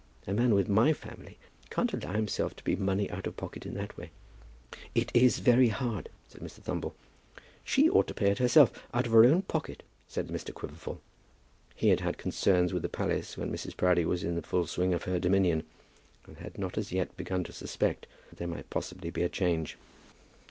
A man with my family can't allow himself to be money out of pocket in that way." "It is hard," said Mr. Thumble. "She ought to pay it herself, out of her own pocket," said Mr. Quiverful. He had had concerns with the palace when Mrs. Proudie was in the full swing of her dominion, and had not as yet begun to suspect that there might possibly be a change.